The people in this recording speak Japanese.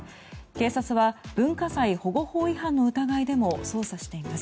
警察は、文化財保護法違反の疑いでも捜査しています。